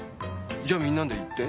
じゃあみんなで言って。